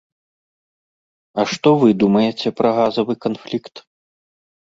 А што вы думаеце пра газавы канфлікт?